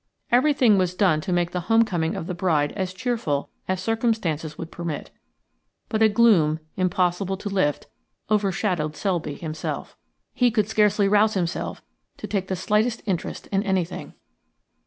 Everything was done to make the home coming of the bride as cheerful as circumstances would permit, but a gloom, impossible to lift, overshadowed Selby himself. He could scarcely rouse himself to take the slightest interest in anything.